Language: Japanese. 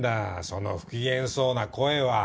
その不機嫌そうな声は。